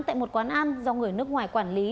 tại một quán ăn do người nước ngoài quản lý